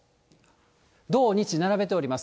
土日、並べております。